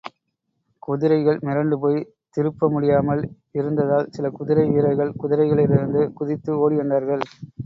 குதிரைகள் மிரண்டு போய், திருப்ப முடியாமல் இருந்ததால், சில குதிரை வீரர்கள் குதிரைகளிலிருந்து குதித்து ஓடி வந்தார்கள்.